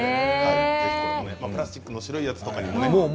プラスチックの白いやつとかにもね。